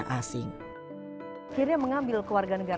keadaan akhirnya memaksa mereka menyandang status sebagai warga negara